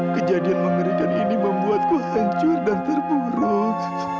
kejadian mengerikan ini membuatku hancur dan terburuk